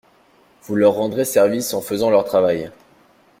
Vous leur rendrez service en faisant leur travail.